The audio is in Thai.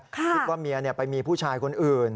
คิดว่าเมียไปมีผู้ชายคนอื่น